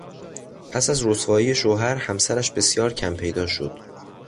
پس از رسوایی شوهر، همسرش بسیار کمپیدا شد.